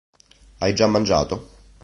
Hai già mangiato?